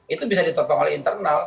itu bisa ditopang oleh internal